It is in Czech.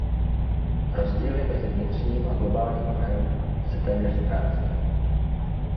Rozdíly mezi vnitřním a globálním trhem se téměř ztrácí.